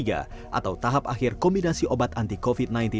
atau tahap akhir kombinasi obat anti covid sembilan belas